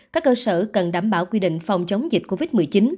các cơ sở cần đảm bảo quy định phòng chống dịch covid một mươi chín